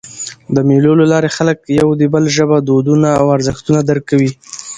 د مېلو له لاري خلک د یو بل ژبه، دودونه او ارزښتونه درک کوي.